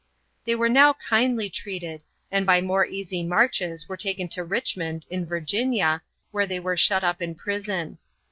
They were now kindly treated, and by more easy marches were taken to Richmond, in Virginia, where they were shut up in prison.